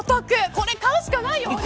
これ、買うしかないよ。